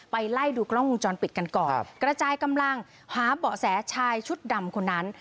ไล่ดูกล้องวงจรปิดกันก่อนกระจายกำลังหาเบาะแสชายชุดดำคนนั้น